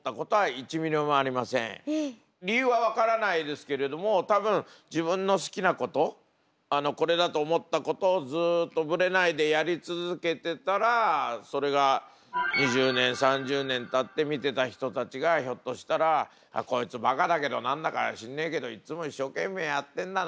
理由は分からないですけれども多分自分の好きなことこれだと思ったことをずっとぶれないでやり続けてたらそれが２０年３０年たって見てた人たちがひょっとしたら「こいつバカだけど何だか知んねえけどいつも一生懸命やってんだな。